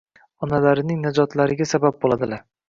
Onalarining najotlariga sabab bo'ladilar.